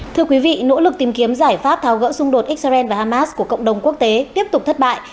thưa quý vị nỗ lực tìm kiếm giải pháp tháo gỡ xung đột israel và hamas của cộng đồng quốc tế tiếp tục thất bại